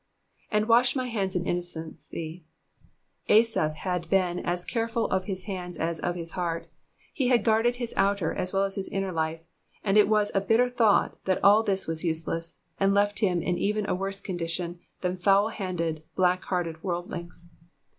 ^*^And washed my hands in innoceney.'''* Asaph had been as careful of his hands as of his heait ; he had guarded his outer as well as his inner life, and it was a bitter thought that all this was useless, and left him in even a worse condition than foul handed, black hearted worldlings.